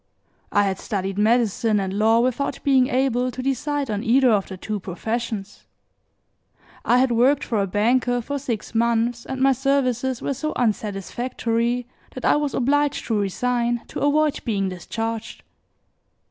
I had studied medicine and law without being able to decide on either of the two professions; I had worked for a banker for six months and my services were so unsatisfactory that I was obliged to resign to avoid being discharged.